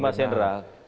ini mas yendra